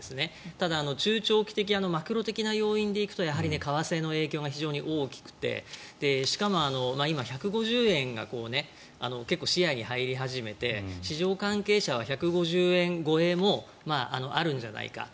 ただ、中長期的マクロ的な要因でいくと為替の影響がすごく大きくてしかも、今１５０円が結構、視野に入り始めて市場関係者は１５０円超えもあるんじゃないかと。